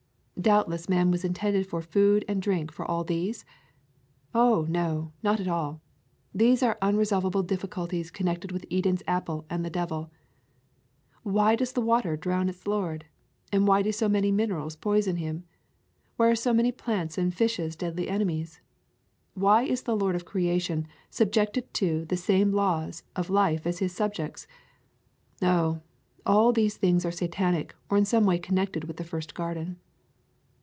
Doubtless man was intended for food and drink for all these? Oh, no! Not at all! These are unresolv able difficulties connected with Eden's apple and the Devil. Why does water drown its lord? Why do so many minerals poison him? Why are so many plants and fishes deadly enemies? Why is the lord of creation subjected to the same laws of life as his subjects? Oh, all these things are satanic, or in some way connected with the first garden.